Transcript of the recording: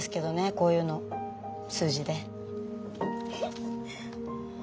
こういうの数字で。